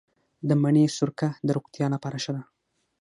د مڼې سرکه د روغتیا لپاره ښه ده.